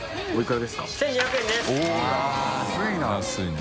安いな。